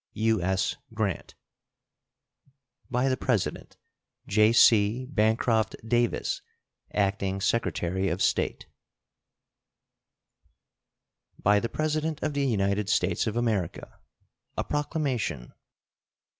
[SEAL.] U.S. GRANT. By the President: J.C. BANCROFT DAVIS, Acting Secretary of State. BY THE PRESIDENT OF THE UNITED STATES OF AMERICA. A PROCLAMATION.